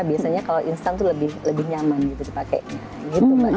biasanya kalau instan itu lebih nyaman gitu dipakainya gitu mbak